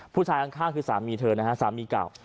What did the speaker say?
ผู้ชายข้างคือสามีเธอนะฮะสามีเก่า